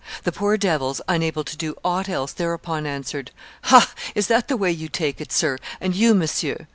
The poor devils, unable to do aught else, thereupon answered, 'Ha! is that the way you take it, sir, and you, monsieur?